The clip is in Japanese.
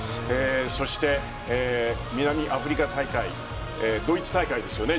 そして南アフリカ大会ドイツ大会ですよね